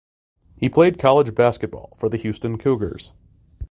He played college basketball for the Houston Cougars.